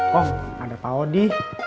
kong ada paudi